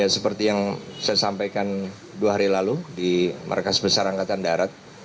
seperti yang saya sampaikan dua hari lalu di markas besar angkatan darat